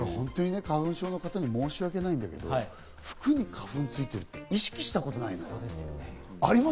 花粉症の方に申し訳ないんだけど、服に花粉ついてるって意識したことないのよ。あります？